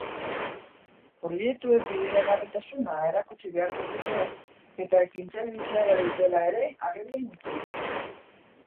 Proiektuen bideragarritasuna erakutsi beharko dute, eta ekintzaile izaera dutela ere agerian utzi.